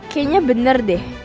kayaknya bener deh